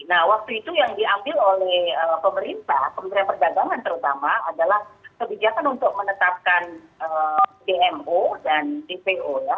nah waktu itu yang diambil oleh pemerintah pemerintah perdagangan terutama adalah kebijakan untuk menetapkan dmo dan dpo ya